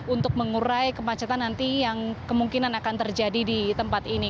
untuk mengurai kemacetan nanti yang kemungkinan akan terjadi di tempat ini